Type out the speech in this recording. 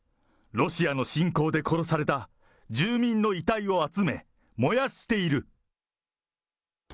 ロシアの侵攻で殺された住民の遺体を集め、燃やしている。